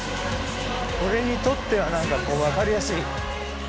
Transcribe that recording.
俺にとっては何かこう分かりやすい。